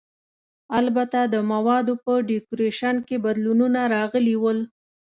البته د موادو په ډیکورېشن کې بدلونونه راغلي ول.